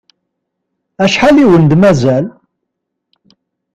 Acḥal i wen-d-mazal?